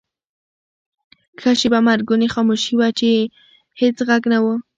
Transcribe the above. ښه شیبه مرګونې خاموشي وه، چې هېڅ ږغ نه و.